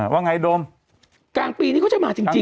ว่าไงโดมกลางปีนี้เขาจะมาจริง